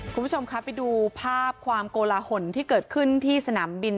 คุณผู้ชมคะไปดูภาพความโกลาหลที่เกิดขึ้นที่สนามบิน